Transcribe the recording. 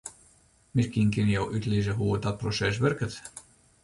Miskien kinne jo útlizze hoe't dat proses wurket?